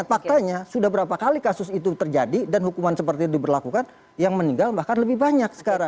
dan faktanya sudah berapa kali kasus itu terjadi dan hukuman seperti itu diberlakukan yang meninggal bahkan lebih banyak sekarang